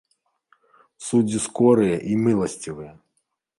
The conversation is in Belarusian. Суддзі скорыя і міласцівыя!